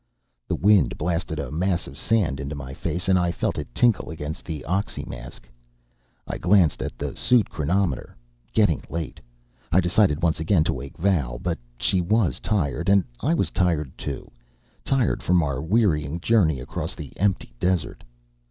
The wind blasted a mass of sand into my face, and I felt it tinkle against the oxymask. I glanced at the suit chronometer. Getting late. I decided once again to wake Val. But she was tired. And I was tired too, tired from our wearying journey across the empty desert.